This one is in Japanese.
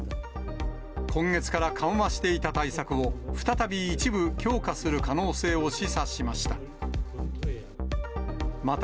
今月から緩和していた対策を再び一部強化する可能性を示唆しました。